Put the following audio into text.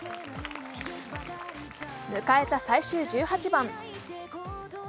迎えた最終１８番。